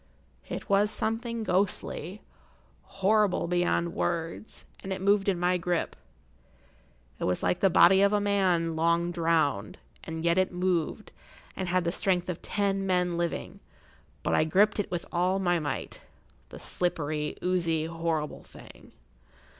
It was something ghostly, horrible beyond words, and it moved in my grip. It was like the body of a man long drowned, and yet it moved, and had the strength of[Pg 67] ten men living; but I gripped it with all my might—the slippery, oozy, horrible thing.